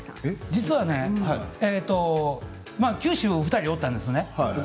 実は九州にお二人おったんですよね。